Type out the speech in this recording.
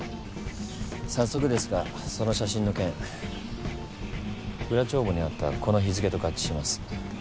早速ですがその写真の件裏帳簿にあったこの日付と合致します。